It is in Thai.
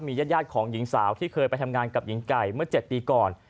ญาติของหญิงสาวที่เคยไปทำงานกับหญิงไก่เมื่อ๗ปีก่อน